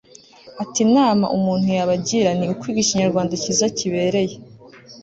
ati inama umuntu yabagira ni ukwiga ikinyarwanda cyiza kibereye